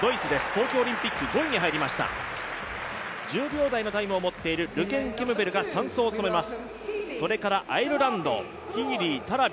東京オリンピック５位に入りました１０秒台のタイムを持っているルケンケムペルが３走を務めます。